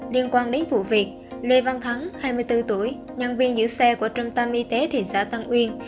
liên quan đến vụ việc lê văn thắng hai mươi bốn tuổi nhân viên giữ xe của trung tâm y tế thị xã tân uyên